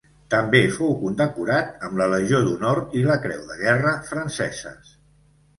També fou condecorat amb la Legió d'Honor i la Creu de Guerra franceses.